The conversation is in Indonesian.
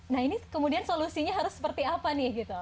nah ini kemudian solusinya harus seperti apa nih gitu